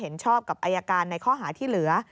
เห็นชอบกับอายการในข้อหาที่เหลือ